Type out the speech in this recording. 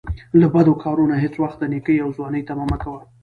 له بدکارو نه هیڅ وخت د نیکۍ او ځوانۍ طمعه مه کوه